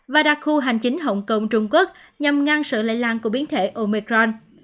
và đặc khu hành chính hồng kông trung quốc nhằm ngăn sự lây lan của biến thể omecron